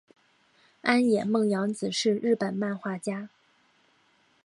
安野梦洋子是日本漫画家。